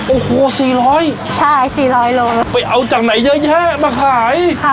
โอ้โหสี่ร้อยใช่สี่ร้อยโลไปเอาจากไหนเยอะแยะมาขายค่ะ